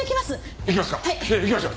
行きましょう。